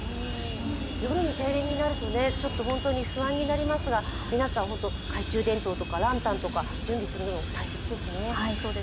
夜に停電になると本当に不安になりますが皆さん、懐中電灯とかランタンとか準備するのは大切ですね。